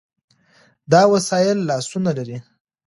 دا وسایل لاسونه لري.